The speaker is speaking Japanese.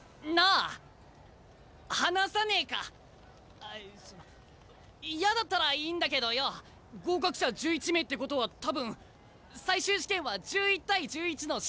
あその嫌だったらいいんだけどよ。合格者１１名ってことは多分最終試験は１１対１１の試合だと思うんだよ。